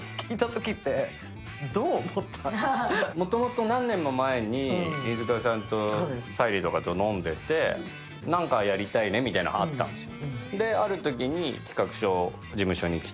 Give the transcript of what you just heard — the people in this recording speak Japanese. もともと何年も前に、飯塚さんと沙莉と飲んでて、何かやりたいねみたいなの、あったんですよ。